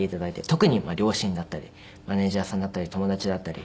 特に両親だったりマネジャーさんだったり友達だったり。